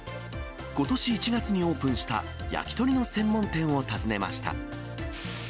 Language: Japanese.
ことし１月にオープンした焼き鳥の専門店を訪ねました。